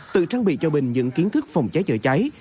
tự trang bị cho mình những kiến thức phòng cháy chữa cháy